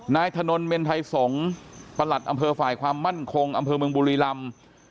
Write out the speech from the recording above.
นายถนนเมนไทยสงศ์ประหลัดอำเภอฝ่ายความมั่นคงอำเภอเมืองบุรีรำ